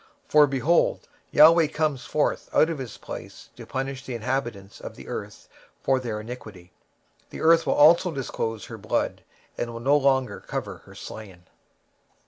23:026:021 For, behold, the LORD cometh out of his place to punish the inhabitants of the earth for their iniquity: the earth also shall disclose her blood, and shall no more cover her slain.